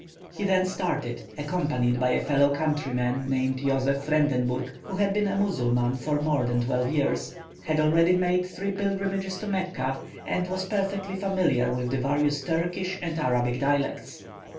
He then started, accompanied by a fellow countryman named Joseph Frendenburg, who had been a Mussulman for more than twelve years, had already made three pilgrimages to Mecca, and was perfectly familiar with the various Turkish and Arabic dialects.